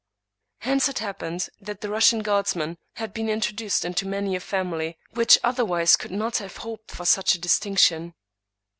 Hence it had happened that the Russian guardsman had been introduced into many a family which otherwise could not have hoped for such a distinction.